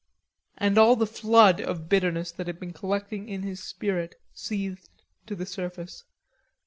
And all the flood of bitterness that had been collecting in his spirit seethed to the surface.